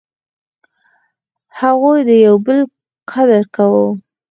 هغوی د یو بل قدر کاوه.